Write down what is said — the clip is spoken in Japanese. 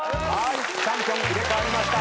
チャンピオン入れ替わりました。